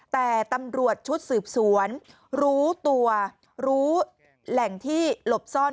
แต่ตำรวจชุดสืบสวนรู้ตัวรู้แหล่งที่หลบซ่อน